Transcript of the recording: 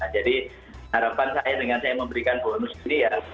jadi harapan saya dengan saya memberikan bonus ini ya